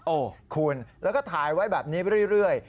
โอ้โหคุณแล้วก็ถ่ายไว้แบบนี้เรื่อย